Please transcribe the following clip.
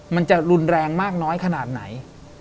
มันจะรุนแรงมากน้อยขนาดไหน